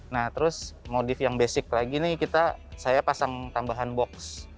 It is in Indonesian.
nah terus modif yang basic lagi nih saya pasang tambahan box